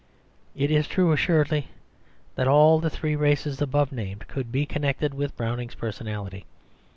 It is true, assuredly, that all the three races above named could be connected with Browning's personality.